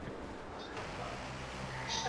کتابونه موږ ته د ژوند لاره ښيي.